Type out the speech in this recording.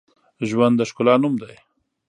ژوند د ښکلا نوم دی